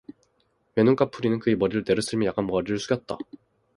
외눈까풀이는 그의 머리를 내려쓸며 약간 머리를 숙였다.